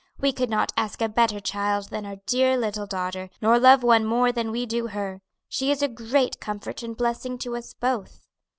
We could not ask a better child than our dear little daughter, nor love one more than we do her; she is a great comfort and blessing to us both."